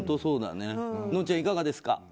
のんちゃん、いかがですか？